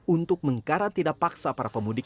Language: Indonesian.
untuk mengkarantina paksa para pemudik